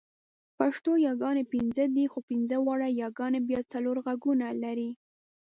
پښتو یاګانې پنځه دي، خو پنځه واړه یاګانې بیا څلور غږونه لري.